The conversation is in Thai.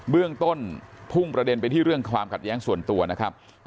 เรื่องต้นพุ่งประเด็นไปที่เรื่องความขัดแย้งส่วนตัวนะครับ